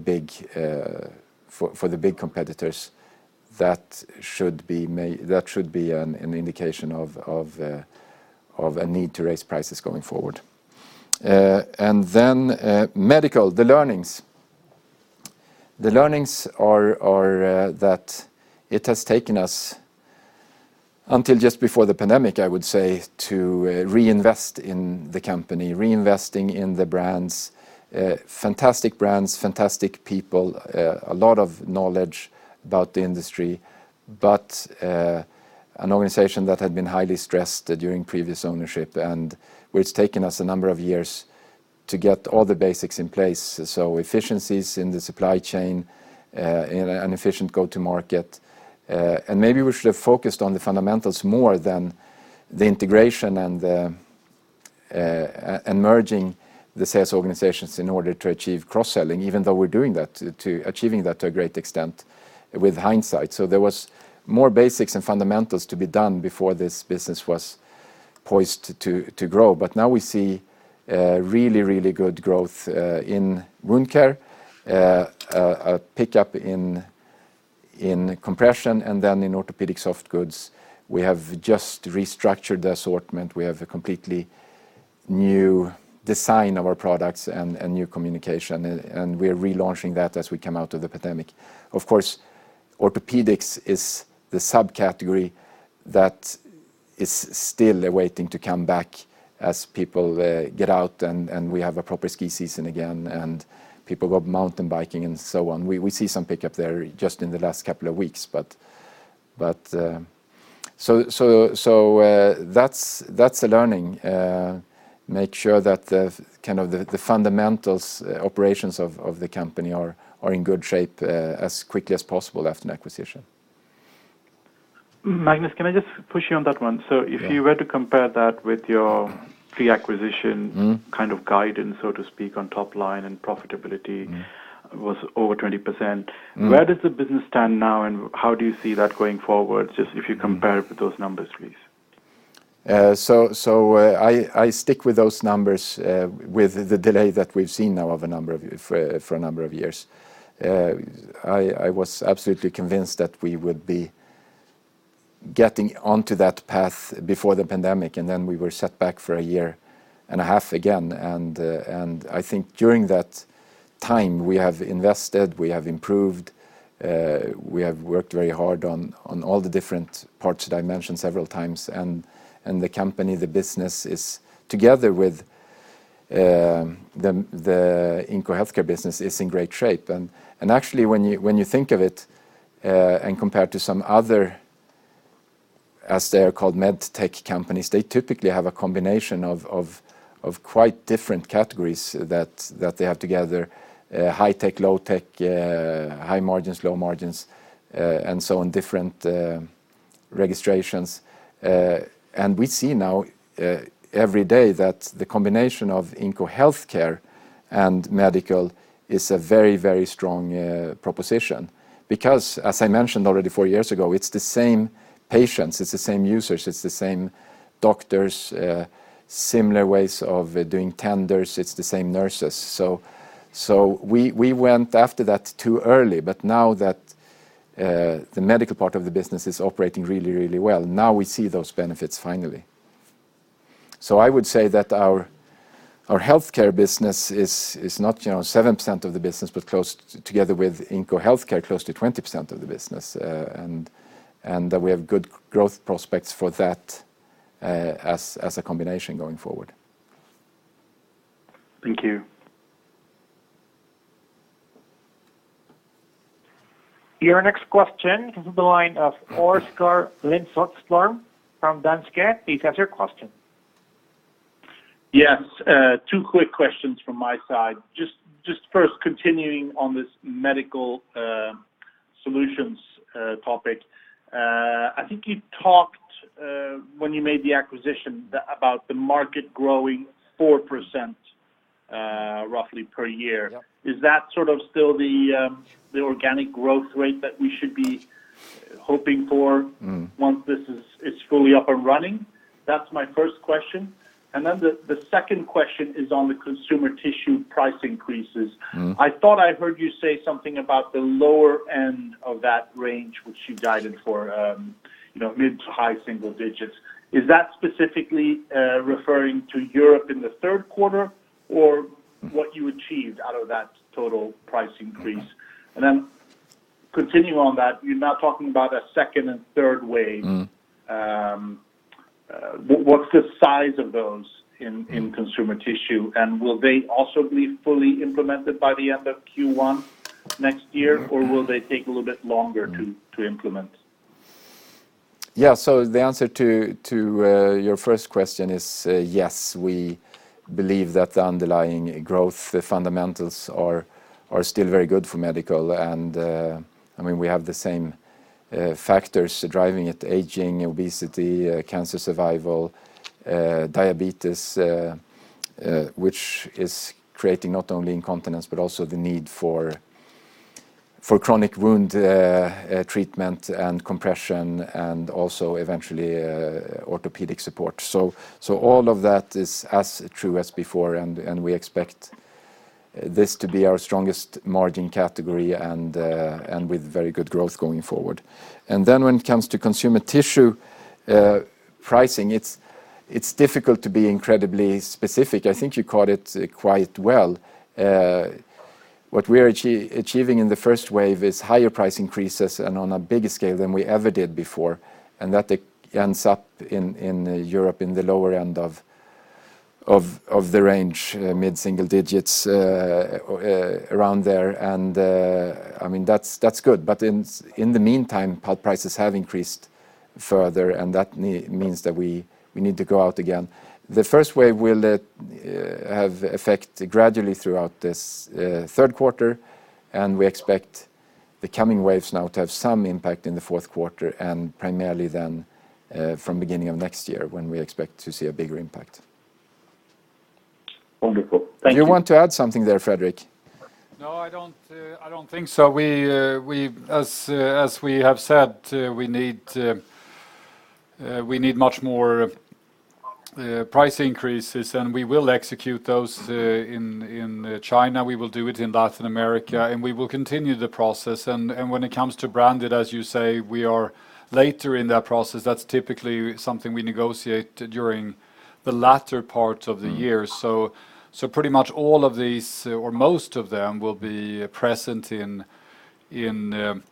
big competitors, that should be an indication of a need to raise prices going forward. Then Medical, the learnings. The learnings are that it has taken us until just before the pandemic, I would say, to reinvest in the company, reinvesting in the brands, fantastic brands, fantastic people, a lot of knowledge about the industry, but an organization that had been highly stressed during previous ownership, and which taken us a number of years to get all the basics in place, so efficiencies in the supply chain, an efficient go-to market. Maybe we should have focused on the fundamentals more than the integration and merging the sales organizations in order to achieve cross-selling, even though we're achieving that to a great extent with hindsight. There was more basics and fundamentals to be done before this business was poised to grow. Now we see really, really good growth in wound care, a pickup in compression, and then in orthopedic soft goods. We have just restructured the assortment. We have a completely new design of our products and new communication, and we're relaunching that as we come out of the pandemic. Of course, orthopedics is the subcategory that is still waiting to come back as people get out and we have a proper ski season again, and people go mountain biking and so on. We see some pickup there just in the last couple of weeks. That's a learning, make sure that the fundamentals operations of the company are in good shape as quickly as possible after an acquisition. Magnus, can I just push you on that one? If you were to compare that with your pre-acquisition kind of guidance, so to speak, on top line and profitability was over 20%. Where does the business stand now, and how do you see that going forward, just if you compare it with those numbers, please? I stick with those numbers with the delay that we’ve seen now for a number of years. I was absolutely convinced that we would be getting onto that path before the pandemic, and then we were set back for a year and a half again. I think during that time, we have invested, we have improved, we have worked very hard on all the different parts that I mentioned several times, and the company, the business is, together with the Inco Health Care business, is in great shape. Actually, when you think of it, and compared to some other, as they are called medtech companies, they typically have a combination of quite different categories that they have together, high tech, low tech, high margins, low margins, and so on, different registrations. We see now every day that the combination of Inco Health Care and Medical is a very, very strong proposition because, as I mentioned already four years ago, it's the same patients, it's the same users, it's the same doctors, similar ways of doing tenders, it's the same nurses. We went after that too early, but now that the medical part of the business is operating really well, now we see those benefits finally. I would say that our healthcare business is not 7% of the business, but together with Inco Health Care, close to 20% of the business. That we have good growth prospects for that as a combination going forward. Thank you. Your next question comes from the line of Oskar Lindström from Danske. Please ask your question. Yes. Two quick questions from my side. Just first continuing on this Medical Solutions topic. I think you talked, when you made the acquisition, about the market growing 4% roughly per year. Is that still the organic growth rate that we should be hoping for once this is fully up and running? That's my first question. The second question is on the Consumer Tissue price increases. I thought I heard you say something about the lower end of that range which you guided for mid to high single digits. Is that specifically referring to Europe in the third quarter or what you achieved out of that total price increase? Continuing on that, you're now talking about a second and third wave. What's the size of those in Consumer Tissue, and will they also be fully implemented by the end of Q1 next year or will they take a little bit longer to implement? The answer to your first question is yes, we believe that the underlying growth, the fundamentals are still very good for medical. We have the same factors driving it, aging, obesity, cancer survival, diabetes, which is creating not only incontinence, but also the need for chronic wound treatment and compression, and also eventually orthopedic support. All of that is as true as before, and we expect this to be our strongest margin category and with very good growth going forward. When it comes to Consumer Tissue pricing, it's difficult to be incredibly specific. I think you called it quite well. What we are achieving in the first wave is higher price increases and on a bigger scale than we ever did before. That ends up in Europe in the lower end of the range, mid-single digits, around there. That's good. In the meantime, pulp prices have increased further, and that means that we need to go out again. The first wave will have effect gradually throughout this third quarter, and we expect the coming waves now to have some impact in the fourth quarter, and primarily then from beginning of next year when we expect to see a bigger impact. Wonderful. Thank you. Do you want to add something there, Fredrik? No, I don't think so. As we have said, we need much more price increases, and we will execute those in China, we will do it in Latin America, and we will continue the process. When it comes to branded, as you say, we are later in that process. That's typically something we negotiate during the latter part of the year. Pretty much all of these, or most of them, will be present towards the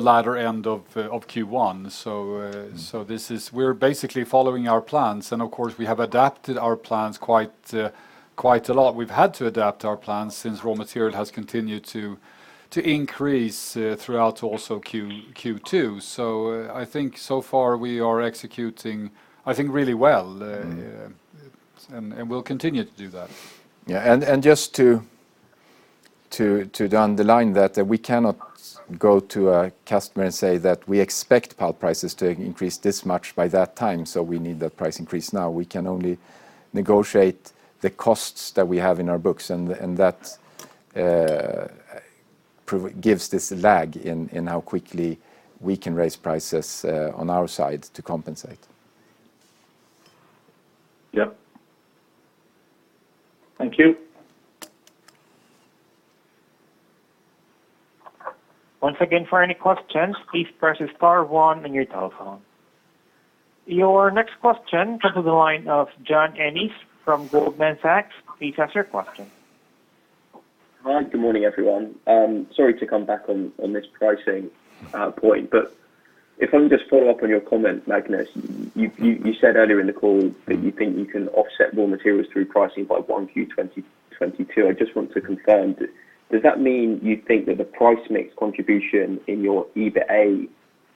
latter end of Q1. We're basically following our plans. Of course, we have adapted our plans quite a lot. We've had to adapt our plans since raw material has continued to increase throughout also Q2. I think so far we are executing, I think really well. We'll continue to do that. Yeah. Just to underline that, we cannot go to a customer and say that we expect pulp prices to increase this much by that time, so we need that price increase now. We can only negotiate the costs that we have in our books. That gives this lag in how quickly we can raise prices on our side to compensate. Yep. Thank you. Once again, for any questions, please press star one on your telephone. Your next question comes to the line of John Ennis from Goldman Sachs. Please ask your question. Hi. Good morning, everyone. Sorry to come back on this pricing point, but if I can just follow up on your comment, Magnus. You said earlier in the call that you think you can offset raw materials through pricing by 1Q 2022. I just want to confirm, does that mean you think that the price mix contribution in your EBITDA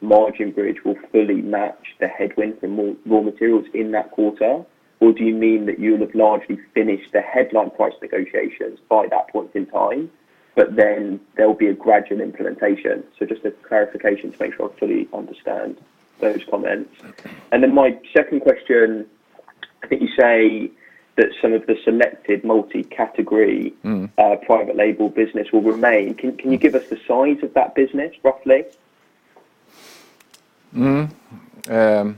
margin bridge will fully match the headwind for raw materials in that quarter? Do you mean that you'll have largely finished the headline price negotiations by that point in time, but then there'll be a gradual implementation? Just a clarification to make sure I fully understand those comments. My second question. I think you say that some of the selected multi-category private label business will remain. Can you give us the size of that business, roughly? Mm-hmm.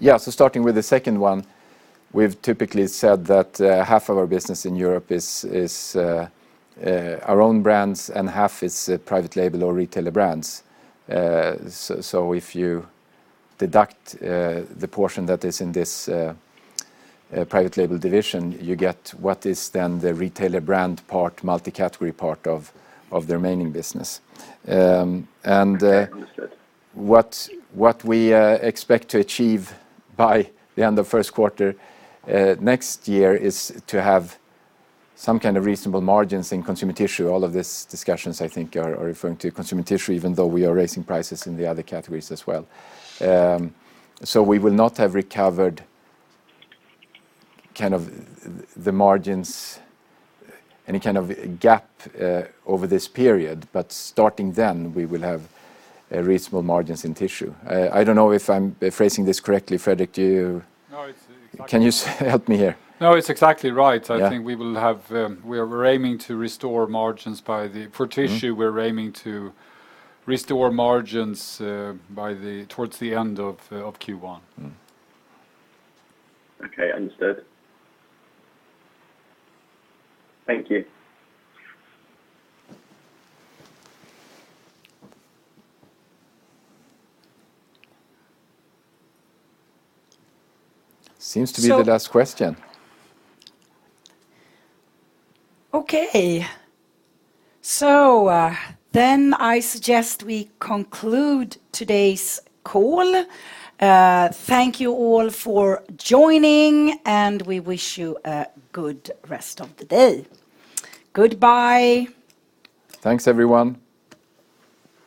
Yeah. Starting with the second one, we've typically said that half of our business in Europe is our own brands, and half is private label or retailer brands. If you deduct the portion that is in this private label division, you get what is then the retailer brand part, multi-category part of the remaining business. Understood. What we expect to achieve by the end of first quarter next year is to have some kind of reasonable margins in Consumer Tissue. All of these discussions, I think, are referring to Consumer Tissue, even though we are raising prices in the other categories as well. We will not have recovered the margins, any kind of gap over this period. Starting then, we will have reasonable margins in Tissue. I don't know if I'm phrasing this correctly. Fredrik, can you help me here? No, it's exactly right. For tissue, we're aiming to restore margins towards the end of Q1. Okay, understood. Thank you. Seems to be the last question. Okay. I suggest we conclude today's call. Thank you all for joining, and we wish you a good rest of the day. Goodbye. Thanks, everyone.